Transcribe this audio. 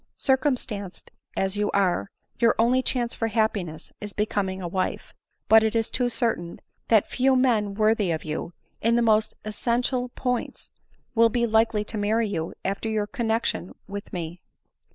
Circumstanced as you are, your only chance for happiness is becoming a wife ; but it is too certain that few men worthy of you, in the most essential points, will be likely to marry you after your connexion with me."